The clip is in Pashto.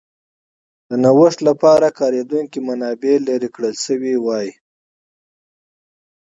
د نوښت لپاره کارېدونکې منابع لرې کړل شوې وای.